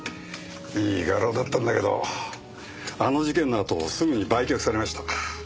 いい画廊だったんだけどあの事件のあとすぐに売却されました。